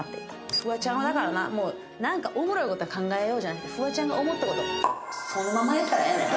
「フワちゃんはだからななんかおもろい事考えようじゃなくてフワちゃんが思った事そのままやったらええねん」。